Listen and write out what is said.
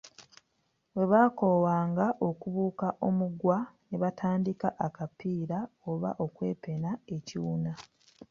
Bwe bakoowanga okubuuka omugwa ne batandika akapiira oba okwepena ekiwuna.